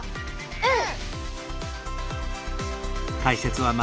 うん！